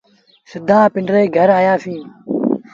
سڌآ پنڊري گھر آيآسيٚݩ۔